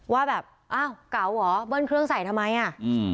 ว่ากล่าวเหรอเบิ้ลเครื่องใส่ทำไม